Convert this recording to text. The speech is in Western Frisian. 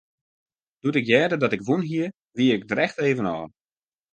Doe't ik hearde dat ik wûn hie, wie ik der echt even ôf.